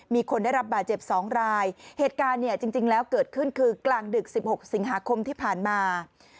มีคนได้รับบาดเจ็บ๒รายเหตุการณ์เนี่ยจริงแล้วเกิดขึ้นคือกลางดึก๑๖สิงหาคมที่ผ่านมา